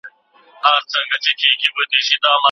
ورور د کلو له سفر وروسته ورور ته داسې ويل